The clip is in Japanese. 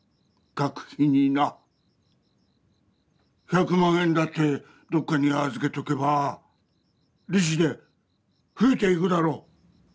百万円だってどっかに預けとけば利子で増えていくだろう。